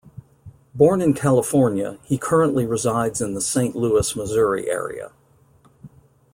Born in California, he currently resides in the Saint Louis, Missouri area.